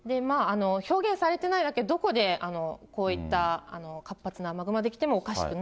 表現されてないだけで、どこでこういった活発な雨雲が出来てもおかしくない。